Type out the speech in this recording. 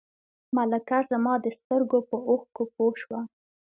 ملکه زما د سترګو په اوښکو پوه شوه.